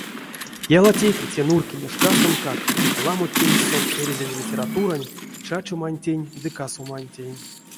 Ялатеке те нурькине шкастонтькак ламо тейсь сон эрзянь литературань чачомантень ды касомантень.